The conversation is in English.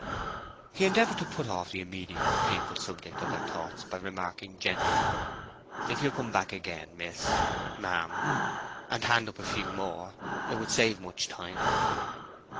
He endeavoured to put off the immediate and painful subject of their thoughts by remarking gently, "If you'll come back again, miss—ma'am, and hand up a few more; it would save much time."